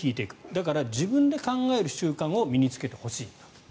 だから自分で考える習慣を身に着けてほしい。